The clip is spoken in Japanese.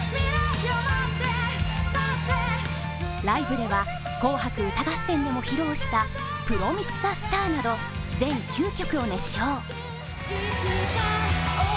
ライブでは「紅白歌合戦」でも披露した「プロミスザスター」など全９曲を熱唱。